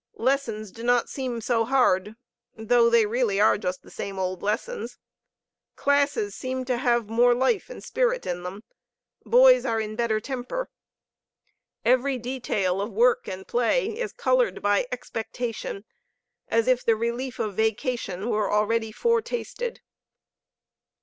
Lessons do not seem so hard, though they really are just the same old lessons. Classes seem to have more life and spirit in them. Boys are in better temper. Every detail of work and play is colored by expectation, as if the relief of vacation were already foretasted.